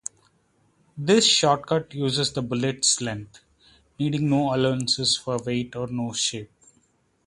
This shortcut uses the bullet's length, needing no allowances for weight or nose shape.